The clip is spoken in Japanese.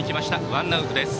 ワンアウトです。